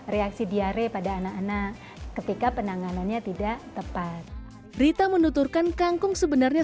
reaksi diare pada anak anak ketika penanganannya tidak tepat rita menuturkan kangkung sebenarnya